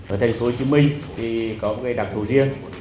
ở thành phố hồ chí minh thì có cái đặc thù riêng